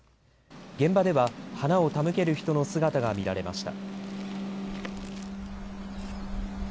現場では花を手向ける人の姿が見られました。